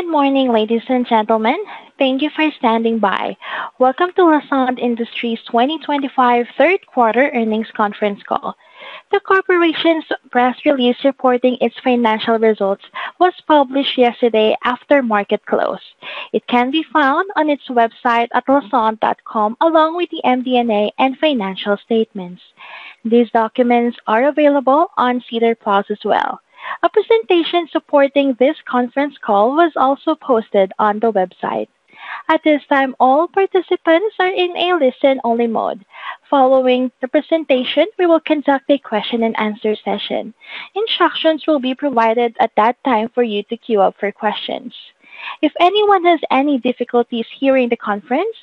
Good morning, ladies and gentlemen. Thank you for standing by. Welcome to Lassonde Industries' 2025 third-quarter earnings conference call. The corporation's press release reporting its financial results was published yesterday after market close. It can be found on its website at lassonde.com, along with the MD&A and financial statements. These documents are available on SEDAR+ as well. A presentation supporting this conference call was also posted on the website. At this time, all participants are in a listen-only mode. Following the presentation, we will conduct a question-and-answer session. Instructions will be provided at that time for you to queue up for questions. If anyone has any difficulties hearing the conference,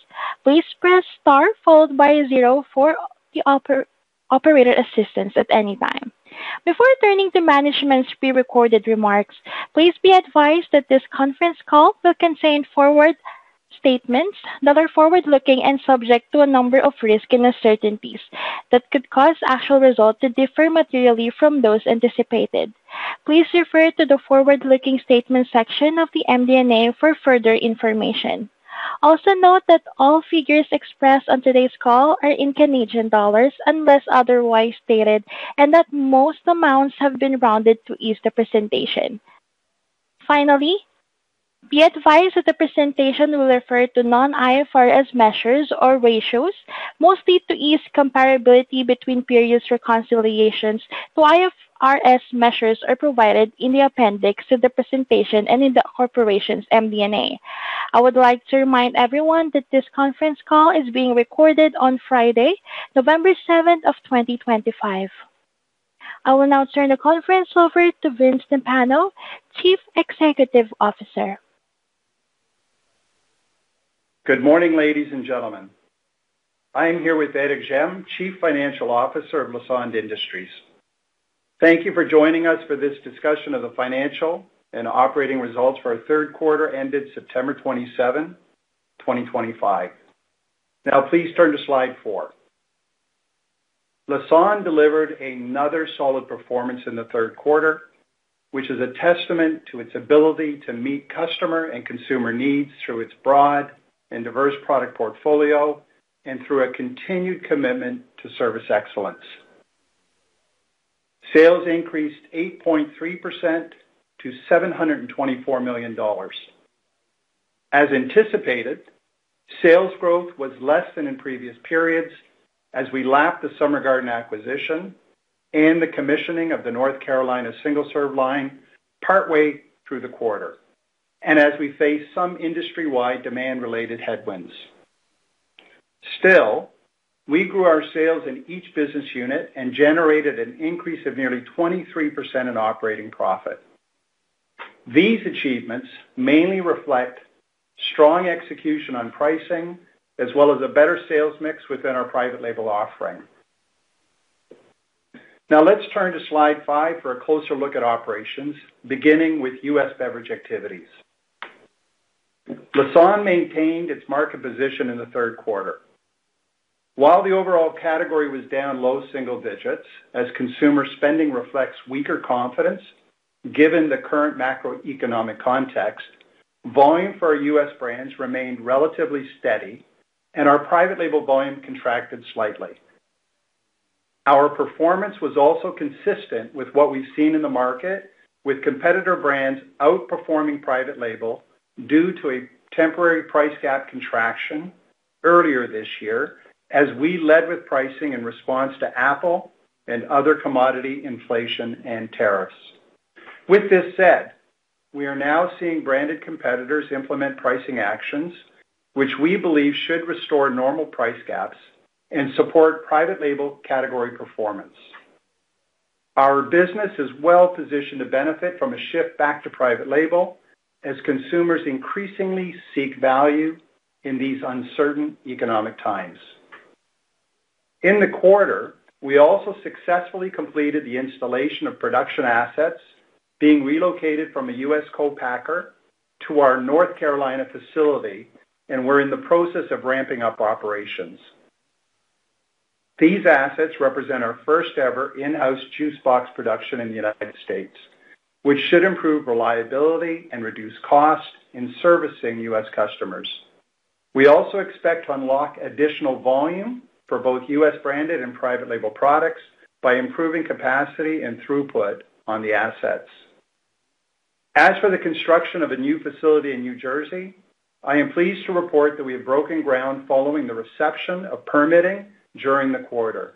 please press star followed by zero for the operator assistance at any time. Before turning to management's prerecorded remarks, please be advised that this conference call will contain forward-looking statements that are subject to a number of risks and uncertainties that could cause actual results to differ materially from those anticipated. Please refer to the forward-looking statements section of the MD&A for further information. Also note that all figures expressed on today's call are in CAD unless otherwise stated, and that most amounts have been rounded to ease the presentation. Finally, be advised that the presentation will refer to non-IFRS measures or ratios, mostly to ease comparability between periods for reconciliations. The IFRS measures are provided in the appendix to the presentation and in the corporation's MD&A. I would like to remind everyone that this conference call is being recorded on Friday, November 7th of 2025. I will now turn the conference over to Vincent Timpano, Chief Executive Officer. Good morning, ladies and gentlemen. I am here with Éric Gemme, Chief Financial Officer of Lassonde Industries. Thank you for joining us for this discussion of the financial and operating results for our third quarter ended September 27, 2025. Now, please turn to slide four. Lassonde delivered another solid performance in the third quarter, which is a testament to its ability to meet customer and consumer needs through its broad and diverse product portfolio and through a continued commitment to service excellence. Sales increased 8.3% to 724 million dollars. As anticipated, sales growth was less than in previous periods as we lapped the Summer Garden acquisition and the commissioning of the North Carolina Single Serve line partway through the quarter, and as we faced some industry-wide demand-related headwinds. Still, we grew our sales in each business unit and generated an increase of nearly 23% in operating profit. These achievements mainly reflect strong execution on pricing as well as a better sales mix within our private label offering. Now, let's turn to slide five for a closer look at operations, beginning with U.S. beverage activities. Lassonde maintained its market position in the third quarter. While the overall category was down low single digits, as consumer spending reflects weaker confidence given the current macroeconomic context, volume for our U.S. brands remained relatively steady, and our private label volume contracted slightly. Our performance was also consistent with what we've seen in the market, with competitor brands outperforming private label due to a temporary price gap contraction earlier this year as we led with pricing in response to apple and other commodity inflation and tariffs. With this said, we are now seeing branded competitors implement pricing actions, which we believe should restore normal price gaps and support private label category performance. Our business is well positioned to benefit from a shift back to private label as consumers increasingly seek value in these uncertain economic times. In the quarter, we also successfully completed the installation of production assets being relocated from a U.S. co-packer to our North Carolina facility, and we're in the process of ramping up operations. These assets represent our first-ever in-house juice box production in the United States, which should improve reliability and reduce costs in servicing U.S. customers. We also expect to unlock additional volume for both U.S. branded and private label products by improving capacity and throughput on the assets. As for the construction of a new facility in New Jersey, I am pleased to report that we have broken ground following the reception of permitting during the quarter.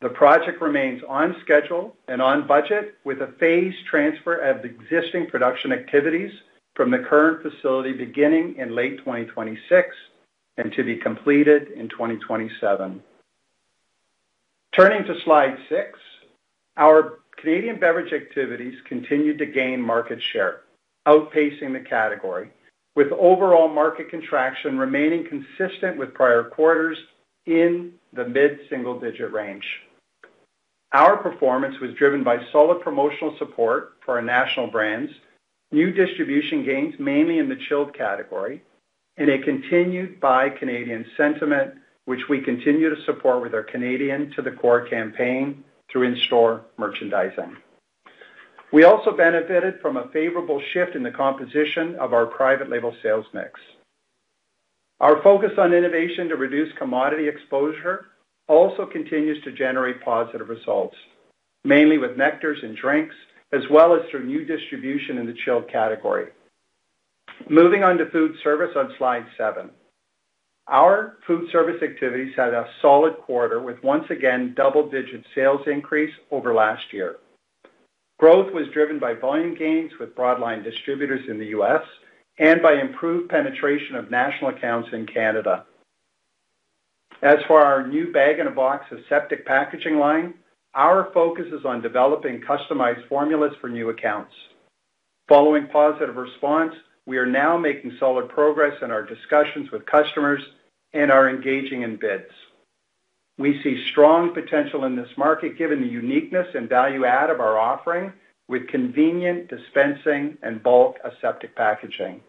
The project remains on schedule and on budget, with a phased transfer of existing production activities from the current facility beginning in late 2026 and to be completed in 2027. Turning to slide six, our Canadian beverage activities continued to gain market share, outpacing the category, with overall market contraction remaining consistent with prior quarters in the mid-single-digit range. Our performance was driven by solid promotional support for our national brands, new distribution gains mainly in the chilled category, and a continued Buy Canadian sentiment, which we continue to support with our Canadian to the core campaign through in-store merchandising. We also benefited from a favorable shift in the composition of our private label sales mix. Our focus on innovation to reduce commodity exposure also continues to generate positive results, mainly with nectars and drinks, as well as through new distribution in the chilled category. Moving on to food service on slide seven, our food service activities had a solid quarter with once again double-digit sales increase over last year. Growth was driven by volume gains with broadline distributors in the U.S. and by improved penetration of national accounts in Canada. As for our new bag-in-a-box aseptic packaging line, our focus is on developing customized formulas for new accounts. Following positive response, we are now making solid progress in our discussions with customers and are engaging in bids. We see strong potential in this market given the uniqueness and value-add of our offering with convenient dispensing and bulk aseptic packaging.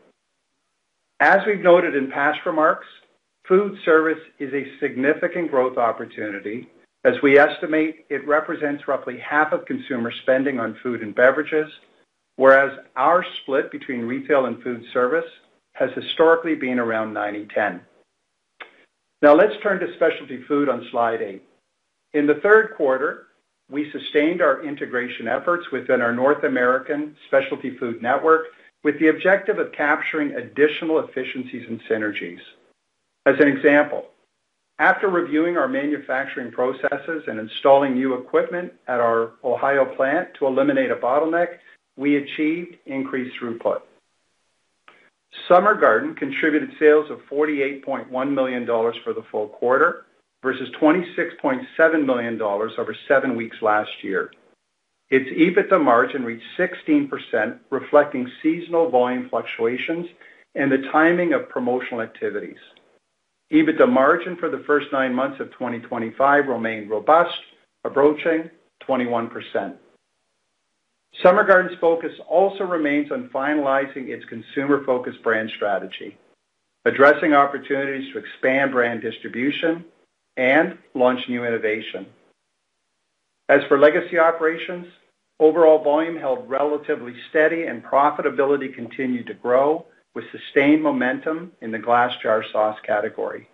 As we've noted in past remarks, food service is a significant growth opportunity as we estimate it represents roughly half of consumer spending on food and beverages, whereas our split between retail and food service has historically been around 90/10. Now, let's turn to specialty food on slide eight. In the third quarter, we sustained our integration efforts within our North American specialty food network with the objective of capturing additional efficiencies and synergies. As an example, after reviewing our manufacturing processes and installing new equipment at our Ohio plant to eliminate a bottleneck, we achieved increased throughput. Summer Garden contributed sales of 48.1 million dollars for the full quarter versus 26.7 million dollars over seven weeks last year. Its EBITDA margin reached 16%, reflecting seasonal volume fluctuations and the timing of promotional activities. EBITDA margin for the first nine months of 2025 remained robust, approaching 21%. Summer Garden's focus also remains on finalizing its consumer-focused brand strategy, addressing opportunities to expand brand distribution and launch new innovation. As for legacy operations, overall volume held relatively steady and profitability continued to grow with sustained momentum in the glass jar sauce category.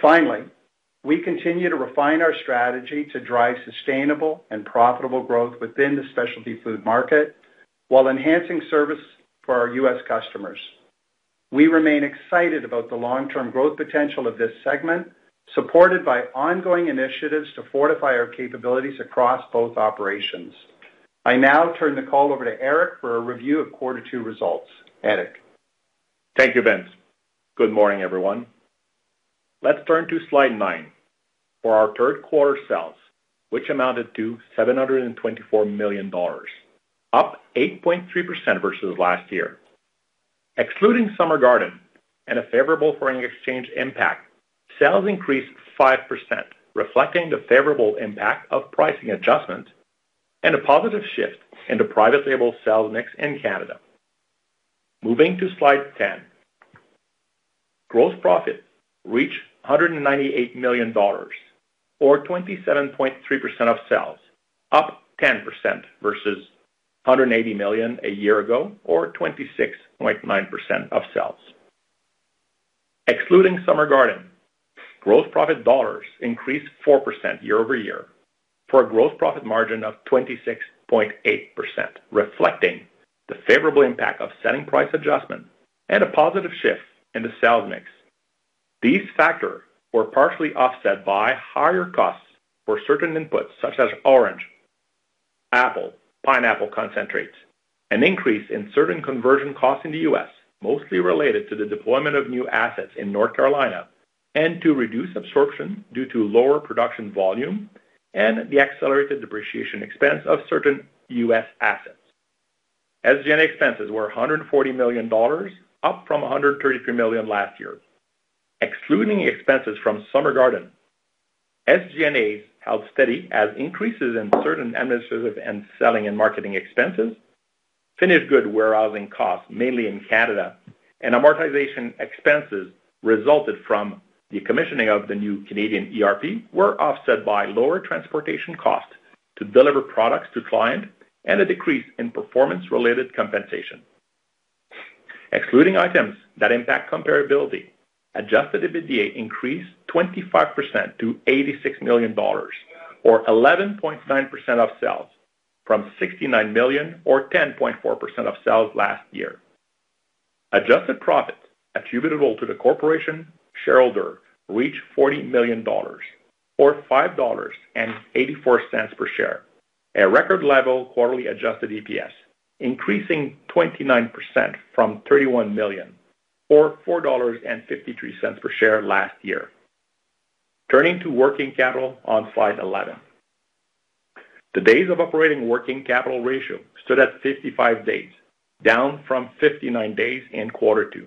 Finally, we continue to refine our strategy to drive sustainable and profitable growth within the specialty food market while enhancing service for our U.S. customers. We remain excited about the long-term growth potential of this segment, supported by ongoing initiatives to fortify our capabilities across both operations. I now turn the call over to Éric for a review of quarter two results. Éric. Thank you, Vince. Good morning, everyone. Let's turn to slide nine for our third-quarter sales, which amounted to 724 million dollars, up 8.3% versus last year. Excluding Summer Garden and a favorable foreign exchange impact, sales increased 5%, reflecting the favorable impact of pricing adjustments and a positive shift in the private label sales mix in Canada. Moving to slide ten, gross profit reached 198 million dollars, or 27.3% of sales, up 10% versus 180 million a year ago, or 26.9% of sales. Excluding Summer Garden, gross profit dollars increased 4% year over year for a gross profit margin of 26.8%, reflecting the favorable impact of selling price adjustment and a positive shift in the sales mix. These factors were partially offset by higher costs for certain inputs such as orange, apple, pineapple concentrates, an increase in certain conversion costs in the U.S., mostly related to the deployment of new assets in North Carolina, and to reduced absorption due to lower production volume and the accelerated depreciation expense of certain U.S. assets. SG&A expenses were 140 million dollars, up from 133 million last year. Excluding expenses from Summer Garden, SG&A held steady as increases in certain administrative and selling and marketing expenses, finished goods warehousing costs mainly in Canada, and amortization expenses resulting from the commissioning of the new Canadian ERP were offset by lower transportation costs to deliver products to clients and a decrease in performance-related compensation. Excluding items that impact comparability, adjusted EBITDA increased 25% to 86 million dollars, or 11.9% of sales, from 69 million, or 10.4% of sales last year. Adjusted profits attributable to the corporation shareholder reached 40 million dollars, or 5.84 dollars per share, a record-level quarterly adjusted EPS, increasing 29% from 31 million, or 4.53 dollars per share last year. Turning to working capital on slide 11, the days of operating working capital ratio stood at 55 days, down from 59 days in quarter two.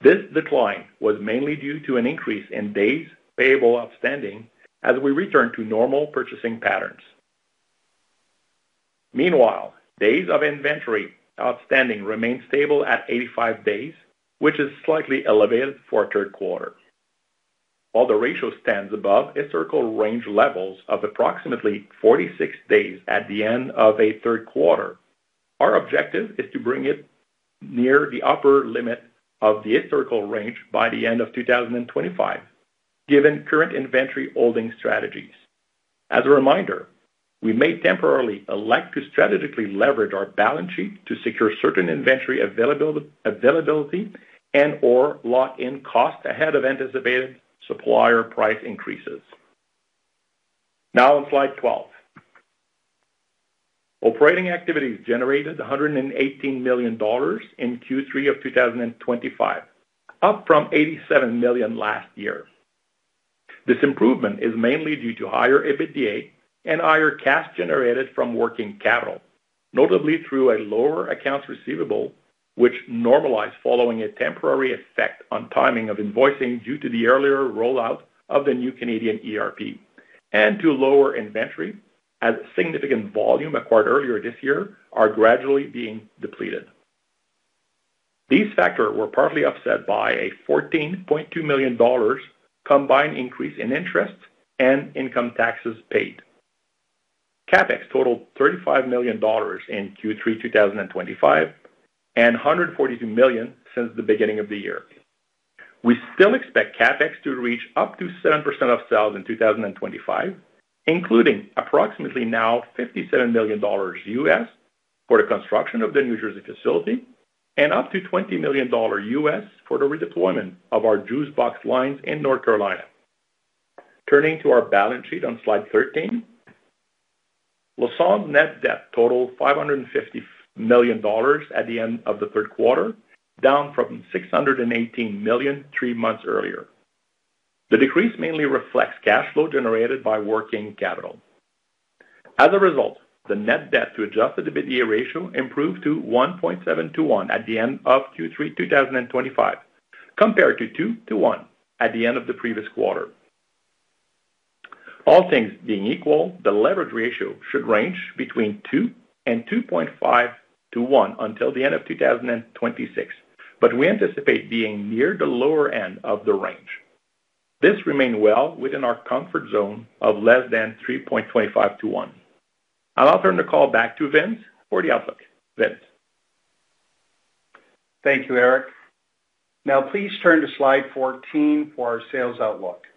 This decline was mainly due to an increase in days payable outstanding as we returned to normal purchasing patterns. Meanwhile, days of inventory outstanding remained stable at 85 days, which is slightly elevated for a third quarter. While the ratio stands above historical range levels of approximately 46 days at the end of a third quarter, our objective is to bring it near the upper limit of the historical range by the end of 2025, given current inventory holding strategies. As a reminder, we may temporarily elect to strategically leverage our balance sheet to secure certain inventory availability and/or lock in costs ahead of anticipated supplier price increases. Now, on slide 12, operating activities generated 118 million dollars in Q3 of 2025, up from 87 million last year. This improvement is mainly due to higher EBITDA and higher cash generated from working capital, notably through a lower accounts receivable, which normalized following a temporary effect on timing of invoicing due to the earlier rollout of the new Canadian ERP and to lower inventory as significant volume acquired earlier this year are gradually being depleted. These factors were partly offset by a 14.2 million dollars combined increase in interest and income taxes paid. CapEx totaled 35 million dollars in Q3 2025 and 142 million since the beginning of the year. We still expect CapEx to reach up to 7% of sales in 2025, including approximately now $57 million U.S. for the construction of the New Jersey facility and up to $20 million U.S. for the redeployment of our juice box lines in North Carolina. Turning to our balance sheet on slide 13, Lassonde net debt totaled 550 million dollars at the end of the third quarter, down from 618 million three months earlier. The decrease mainly reflects cash flow generated by working capital. As a result, the net debt to adjusted EBITDA ratio improved to 1.721 at the end of Q3 2025, compared to 2.1 at the end of the previous quarter. All things being equal, the leverage ratio should range between 2.0-2.5 to 1 until the end of 2026, but we anticipate being near the lower end of the range. This remained well within our comfort zone of less than 3.25 to 1. I'll now turn the call back to Vince for the outlook. Vince. Thank you, Éric. Now, please turn to slide 14 for our sales outlook.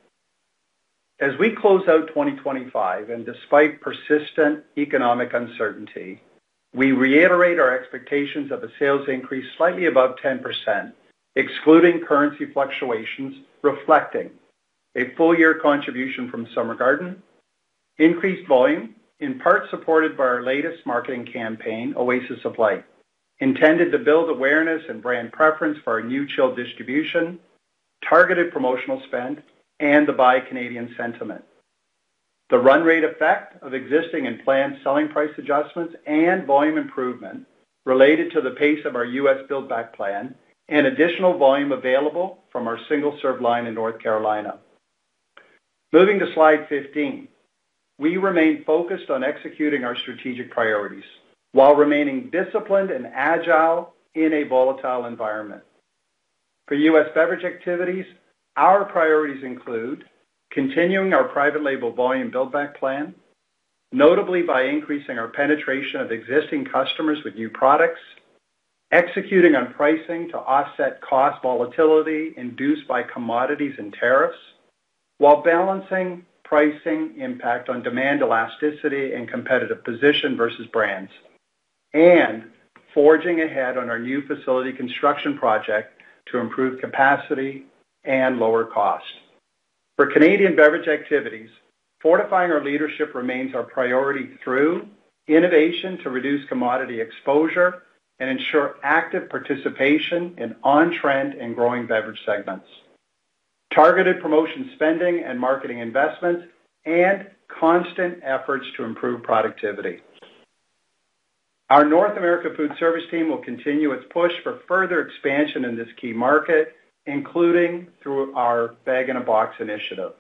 As we close out 2025, and despite persistent economic uncertainty, we reiterate our expectations of a sales increase slightly above 10%, excluding currency fluctuations, reflecting a full-year contribution from Summer Garden, increased volume in part supported by our latest marketing campaign, Oasis of Light, intended to build awareness and brand preference for our new chilled distribution, targeted promotional spend, and the Buy Canadian sentiment. The run rate effect of existing and planned selling price adjustments and volume improvement related to the pace of our U.S. build-back plan and additional volume available from our single-serve line in North Carolina. Moving to slide 15, we remain focused on executing our strategic priorities while remaining disciplined and agile in a volatile environment. For U.S. Beverage activities, our priorities include continuing our private label volume build-back plan, notably by increasing our penetration of existing customers with new products, executing on pricing to offset cost volatility induced by commodities and tariffs, while balancing pricing impact on demand elasticity and competitive position versus brands, and forging ahead on our new facility construction project to improve capacity and lower cost. For Canadian beverage activities, fortifying our leadership remains our priority through innovation to reduce commodity exposure and ensure active participation in on-trend and growing beverage segments, targeted promotion spending and marketing investments, and constant efforts to improve productivity. Our North America food service team will continue its push for further expansion in this key market, including through our bag-in-a-box initiative.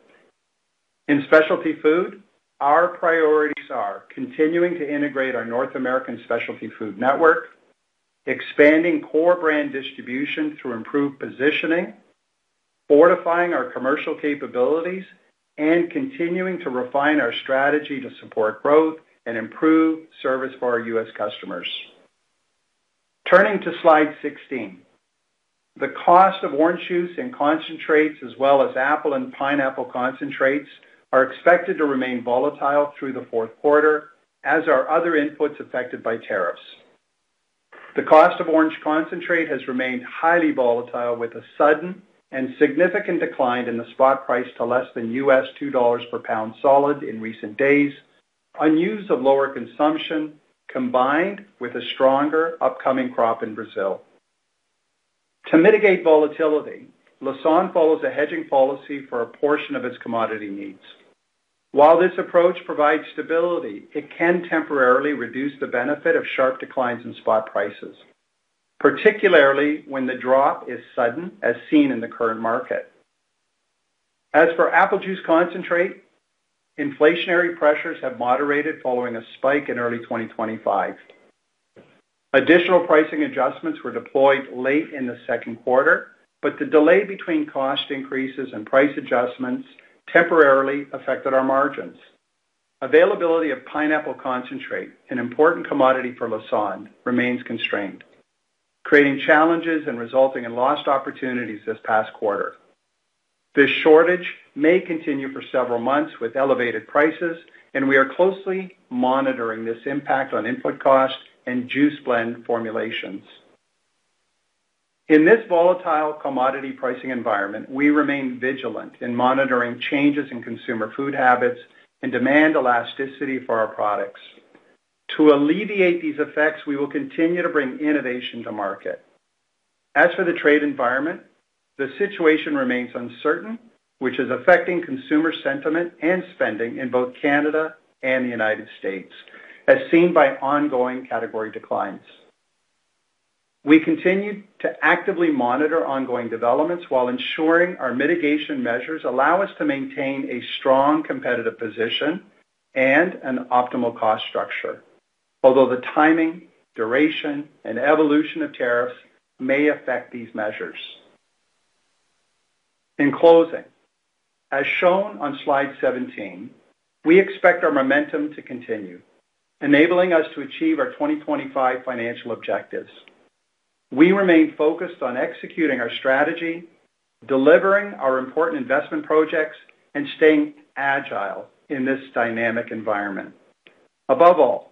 In specialty food, our priorities are continuing to integrate our North American specialty food network, expanding core brand distribution through improved positioning, fortifying our commercial capabilities, and continuing to refine our strategy to support growth and improve service for our U.S. customers. Turning to slide 16, the cost of orange juice and concentrates, as well as apple and pineapple concentrates, are expected to remain volatile through the fourth quarter, as are other inputs affected by tariffs. The cost of orange concentrate has remained highly volatile with a sudden and significant decline in the spot price to less than 2 dollars per pound solid in recent days, unused of lower consumption combined with a stronger upcoming crop in Brazil. To mitigate volatility, Lassonde follows a hedging policy for a portion of its commodity needs. While this approach provides stability, it can temporarily reduce the benefit of sharp declines in spot prices, particularly when the drop is sudden, as seen in the current market. As for apple juice concentrate, inflationary pressures have moderated following a spike in early 2025. Additional pricing adjustments were deployed late in the second quarter, but the delay between cost increases and price adjustments temporarily affected our margins. Availability of pineapple concentrate, an important commodity for Lassonde, remains constrained, creating challenges and resulting in lost opportunities this past quarter. This shortage may continue for several months with elevated prices, and we are closely monitoring this impact on input costs and juice blend formulations. In this volatile commodity pricing environment, we remain vigilant in monitoring changes in consumer food habits and demand elasticity for our products. To alleviate these effects, we will continue to bring innovation to market. As for the trade environment, the situation remains uncertain, which is affecting consumer sentiment and spending in both Canada and the U.S., as seen by ongoing category declines. We continue to actively monitor ongoing developments while ensuring our mitigation measures allow us to maintain a strong competitive position and an optimal cost structure, although the timing, duration, and evolution of tariffs may affect these measures. In closing, as shown on slide 17, we expect our momentum to continue, enabling us to achieve our 2025 financial objectives. We remain focused on executing our strategy, delivering our important investment projects, and staying agile in this dynamic environment. Above all,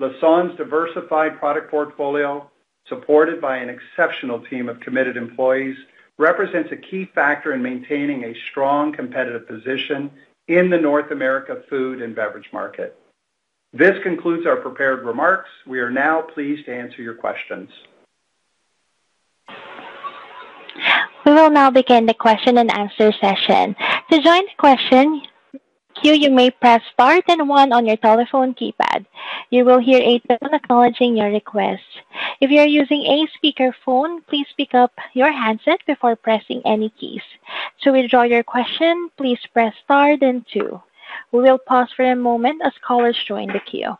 Lassonde's diversified product portfolio, supported by an exceptional team of committed employees, represents a key factor in maintaining a strong competitive position in the North America food and beverage market. This concludes our prepared remarks. We are now pleased to answer your questions. We will now begin the question and answer session. To join the question, Q, you may press star then one on your telephone keypad. You will hear a bell acknowledging your request. If you are using a speakerphone, please pick up your handset before pressing any keys. To withdraw your question, please press star then two. We will pause for a moment as callers join the queue.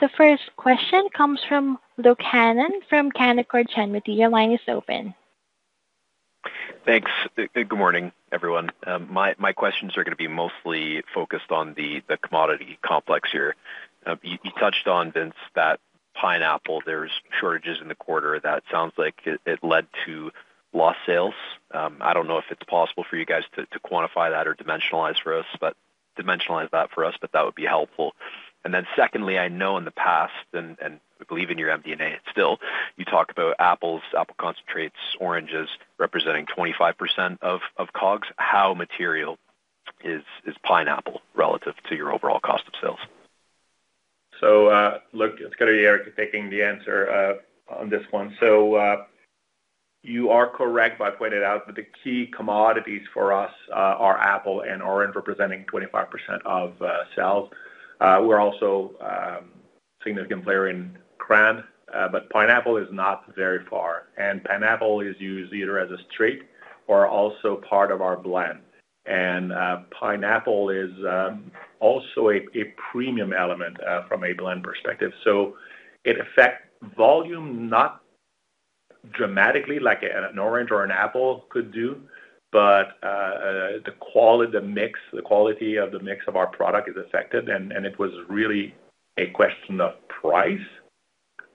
The first question comes from Luke Hannan from Canaccord Genuity. Your line is open. Thanks. Good morning, everyone. My questions are going to be mostly focused on the commodity complex here. You touched on, Vince, that pineapple. There are shortages in the quarter. That sounds like it led to lost sales. I do not know if it is possible for you guys to quantify that or dimensionalize for us, but that would be helpful. Then secondly, I know in the past, and I believe in your MD&A still, you talk about apples, apple concentrates, oranges representing 25% of COGS. How material is pineapple relative to your overall cost of sales? Luke, it's going to be Éric picking the answer on this one. You are correct by pointing out that the key commodities for us are apple and orange representing 25% of sales. We're also a significant player in cran, but pineapple is not very far. Pineapple is used either as a straight or also part of our blend. Pineapple is also a premium element from a blend perspective. It affects volume not dramatically like an orange or an apple could do, but the quality, the mix, the quality of the mix of our product is affected. It was really a question of price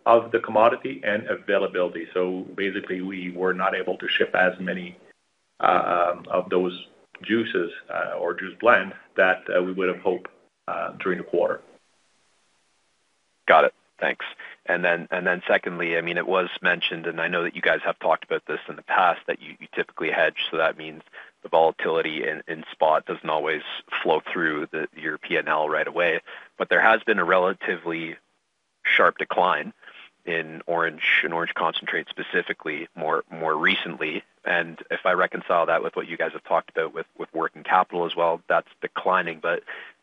of the commodity and availability. Basically, we were not able to ship as many of those juices or juice blends that we would have hoped during the quarter. Got it. Thanks. Secondly, I mean, it was mentioned, and I know that you guys have talked about this in the past, that you typically hedge. That means the volatility in spot does not always flow through your P&L right away. There has been a relatively sharp decline in orange and orange concentrates specifically more recently. If I reconcile that with what you guys have talked about with working capital as well, that is declining.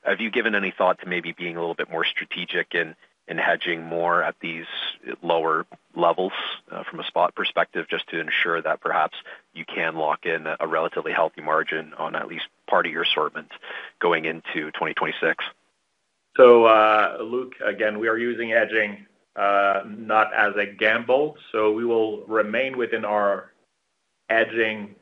Have you given any thought to maybe being a little bit more strategic in hedging more at these lower levels from a spot perspective just to ensure that perhaps you can lock in a relatively healthy margin on at least part of your assortment going into 2026? Luke, again, we are using hedging not as a gamble. We will remain within our hedging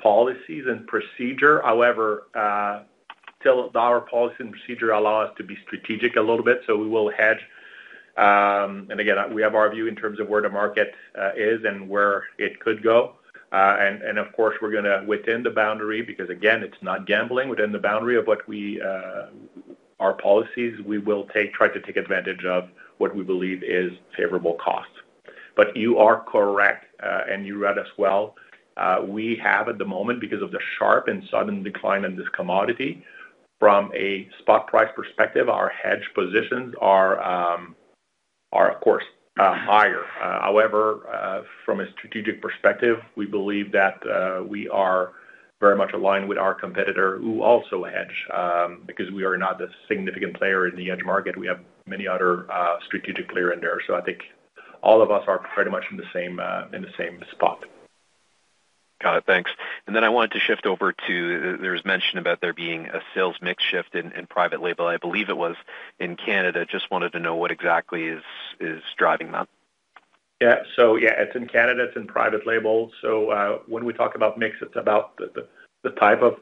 policies and procedure. However, our policies and procedure allow us to be strategic a little bit. We will hedge. Again, we have our view in terms of where the market is and where it could go. Of course, we are going to, within the boundary because, again, it is not gambling, within the boundary of what our policies are, we will try to take advantage of what we believe is favorable costs. You are correct, and you read us well. We have at the moment, because of the sharp and sudden decline in this commodity, from a spot price perspective, our hedge positions are, of course, higher. However, from a strategic perspective, we believe that we are very much aligned with our competitor who also hedges because we are not a significant player in the hedge market. We have many other strategic players in there. I think all of us are pretty much in the same spot. Got it. Thanks. I wanted to shift over to there was mention about there being a sales mix shift in private label. I believe it was in Canada. Just wanted to know what exactly is driving that. Yeah. So yeah, it's in Canada. It's in private label. When we talk about mix, it's about the type of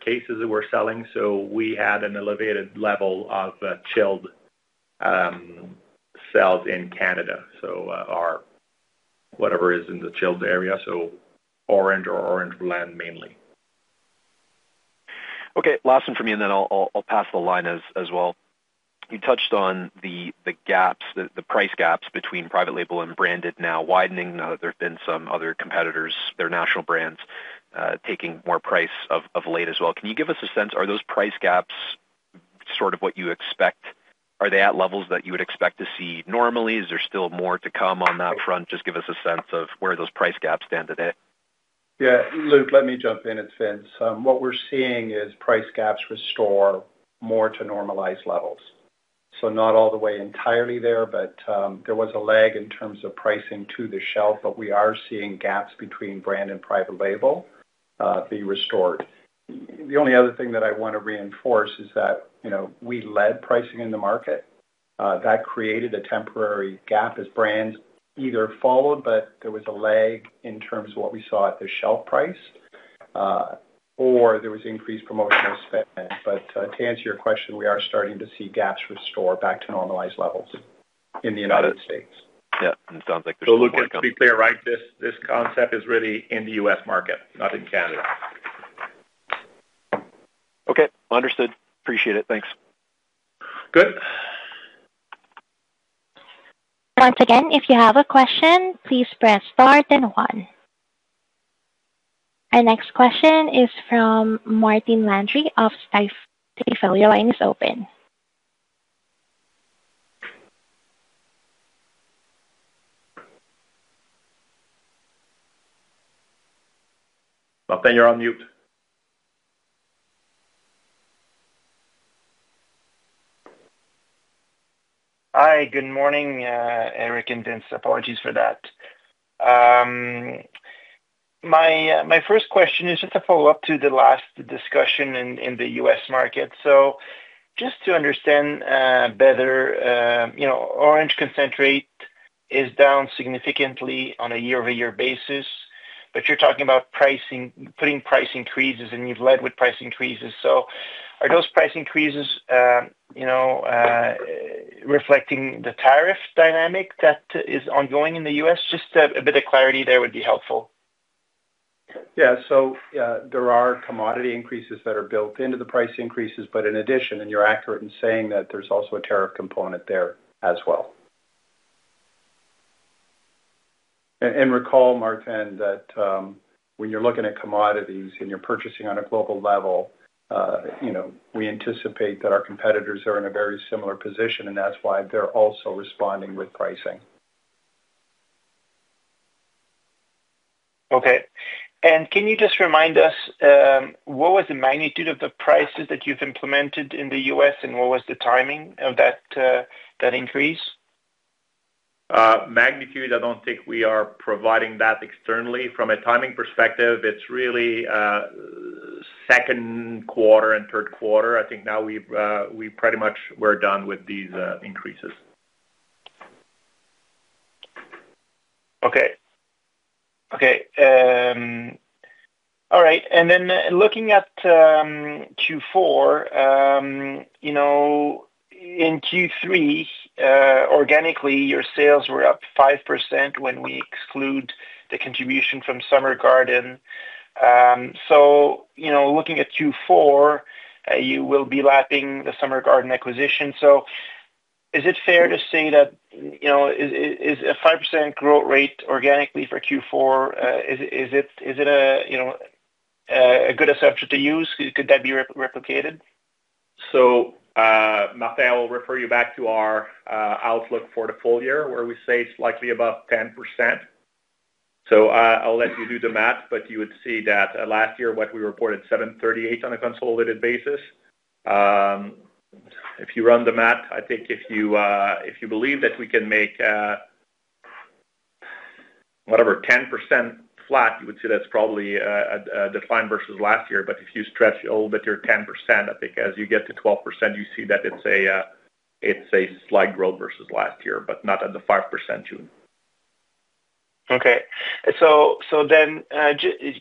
cases that we're selling. We had an elevated level of chilled sales in Canada. Whatever is in the chilled area, so orange or orange blend mainly. Okay. Last one from me, and then I'll pass the line as well. You touched on the gaps, the price gaps between private label and branded now widening now that there have been some other competitors, their national brands, taking more price of late as well. Can you give us a sense? Are those price gaps sort of what you expect? Are they at levels that you would expect to see normally? Is there still more to come on that front? Just give us a sense of where those price gaps stand today. Yeah. Luke, let me jump in. It's Vince. What we're seeing is price gaps restore more to normalized levels. Not all the way entirely there, but there was a lag in terms of pricing to the shelf. We are seeing gaps between brand and private label be restored. The only other thing that I want to reinforce is that we led pricing in the market. That created a temporary gap as brands either followed, but there was a lag in terms of what we saw at the shelf price, or there was increased promotional spend. To answer your question, we are starting to see gaps restore back to normalized levels in the United States. Yeah. It sounds like there's still more coming. Look, let's be clear, right? This concept is really in the U.S. market, not in Canada. Okay. Understood. Appreciate it. Thanks. Good. Once again, if you have a question, please press star then one. Our next question is from Martin Landry of Stifel. The floor line is open. You're on mute. Hi. Good morning, Éric and Vince. Apologies for that. My first question is just a follow-up to the last discussion in the U.S. market. Just to understand better, orange concentrate is down significantly on a year-over-year basis, but you're talking about putting price increases, and you've led with price increases. Are those price increases reflecting the tariff dynamic that is ongoing in the U.S.? Just a bit of clarity there would be helpful. Yeah. There are commodity increases that are built into the price increases, but in addition, and you're accurate in saying that there's also a tariff component there as well. Recall, Martin, that when you're looking at commodities and you're purchasing on a global level, we anticipate that our competitors are in a very similar position, and that's why they're also responding with pricing. Okay. Can you just remind us what was the magnitude of the prices that you've implemented in the U.S., and what was the timing of that increase? Magnitude, I do not think we are providing that externally. From a timing perspective, it is really second quarter and third quarter. I think now we pretty much were done with these increases. Okay. Okay. All right. And then looking at Q4, in Q3, organically, your sales were up 5% when we exclude the contribution from Summer Garden. Looking at Q4, you will be lapping the Summer Garden acquisition. Is it fair to say that a 5% growth rate organically for Q4 is a good assumption to use? Could that be replicated? Martin, I'll refer you back to our outlook for the full year where we say it's likely about 10%. I'll let you do the math, but you would see that last year what we reported was 738 million on a consolidated basis. If you run the math, I think if you believe that we can make whatever 10% flat, you would see that's probably a decline versus last year. If you stretch a little bit your 10%, I think as you get to 12%, you see that it's a slight growth versus last year, but not at the 5% June. Okay. So then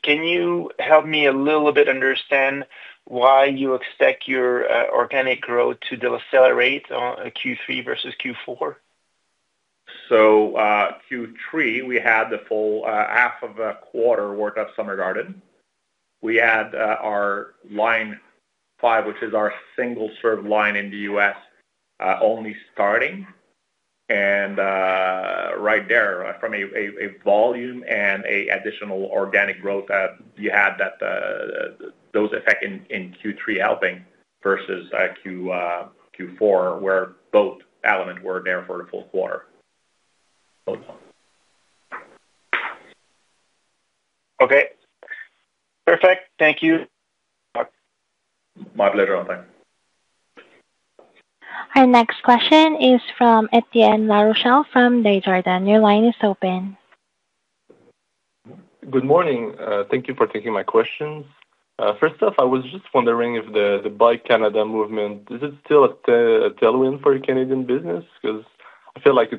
can you help me a little bit understand why you expect your organic growth to decelerate on Q3 versus Q4? Q3, we had the full half of a quarter worked up Summer Garden. We had our line five, which is our single-serve line in the U.S., only starting. Right there from a volume and an additional organic growth that you had that those effect in Q3 helping versus Q4 where both elements were there for the full quarter. Okay. Perfect. Thank you. My pleasure, Martin. Our next question is from Etienne Larochelle from Desjardins. Your line is open. Good morning. Thank you for taking my questions. First off, I was just wondering if the Buy Canada movement, is it still a tailwind for Canadian business? Because I feel like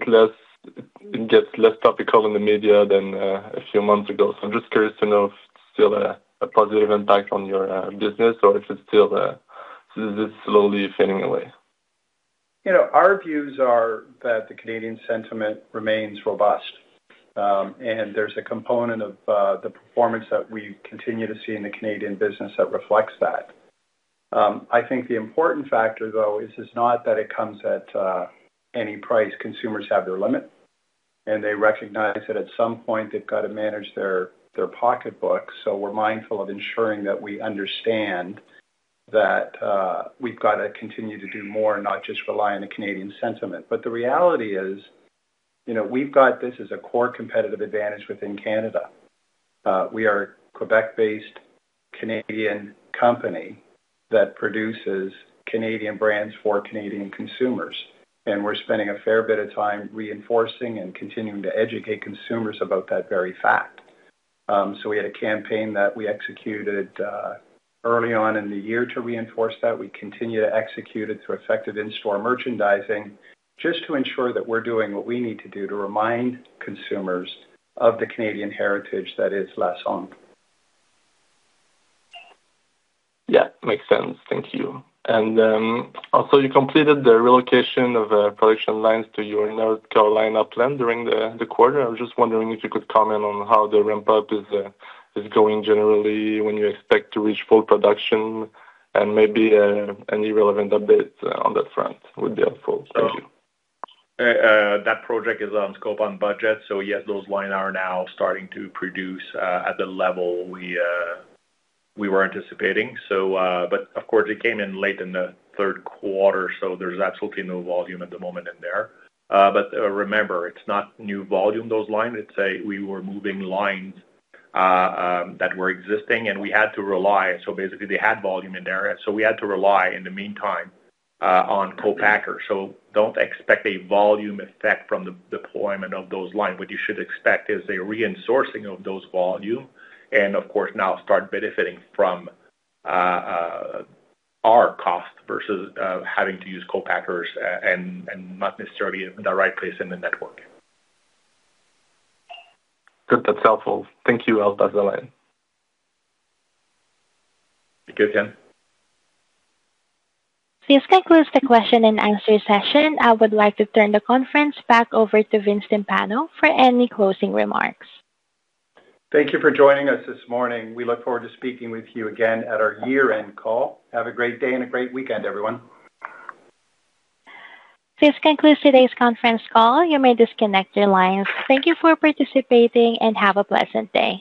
it gets less topical in the media than a few months ago. I am just curious to know if it is still a positive impact on your business or if it is still slowly fading away. Our views are that the Canadian sentiment remains robust. There is a component of the performance that we continue to see in the Canadian business that reflects that. I think the important factor, though, is it is not that it comes at any price. Consumers have their limit. They recognize that at some point they have got to manage their pocketbook. We are mindful of ensuring that we understand that we have got to continue to do more, not just rely on the Canadian sentiment. The reality is we have this as a core competitive advantage within Canada. We are a Quebec-based Canadian company that produces Canadian brands for Canadian consumers. We are spending a fair bit of time reinforcing and continuing to educate consumers about that very fact. We had a campaign that we executed early on in the year to reinforce that. We continue to execute it through effective in-store merchandising just to ensure that we're doing what we need to do to remind consumers of the Canadian heritage that is Lassonde. Yeah. Makes sense. Thank you. You completed the relocation of production lines to your North Carolina plant during the quarter. I was just wondering if you could comment on how the ramp-up is going generally, when you expect to reach full production, and maybe any relevant updates on that front would be helpful. Thank you. That project is on scope, on budget. Yes, those lines are now starting to produce at the level we were anticipating. Of course, it came in late in the third quarter. There is absolutely no volume at the moment in there. Remember, it is not new volume, those lines. We were moving lines that were existing, and we had to rely. Basically, they had volume in there. We had to rely in the meantime on co-packers. Do not expect a volume effect from the deployment of those lines. What you should expect is a reinforcing of those volume. Of course, now start benefiting from our cost versus having to use co-packers and not necessarily the right place in the network. Good. That's helpful. Thank you, I'll back to the line. Thank you, Tin. This concludes the question and answer session. I would like to turn the conference back over to Vincent Timpano for any closing remarks. Thank you for joining us this morning. We look forward to speaking with you again at our year-end call. Have a great day and a great weekend, everyone. This concludes today's conference call. You may disconnect your lines. Thank you for participating and have a pleasant day.